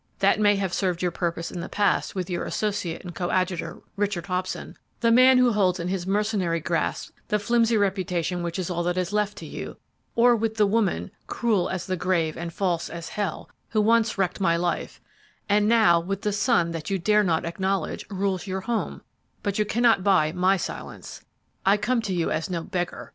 That may have served your purpose in the past with your associate and coadjutor, Richard Hobson, the man who holds in his mercenary grasp the flimsy reputation which is all that is left to you, or with the woman cruel as the grave and false as hell who once wrecked my life, and now, with the son that you dare not acknowledge, rules your home, but you cannot buy my silence. I come to you as no beggar!